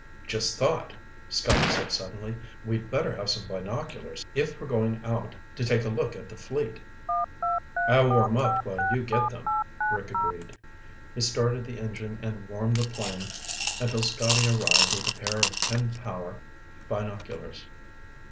"Just thought," Scotty said suddenly. "We'd better have some binoculars if we're going out to take a look at the fleet." "I'll warm up while you get them," Rick agreed. He started the engine and warmed the plane until Scotty arrived with a pair of ten power binoculars.